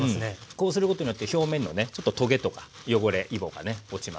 こうすることによって表面のねちょっとトゲとか汚れイボがね落ちます。